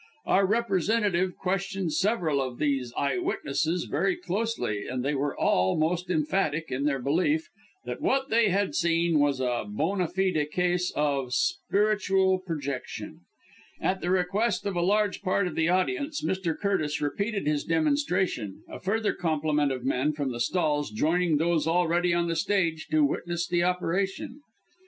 Our representative questioned several of these eye witnesses very closely, and they were all most emphatic in their belief that what they had seen was a bona fide case of spiritual projection. At the request of a large part of the audience, Mr. Curtis repeated his demonstration, a further complement of men from the stalls joining those already on the stage to witness the operation.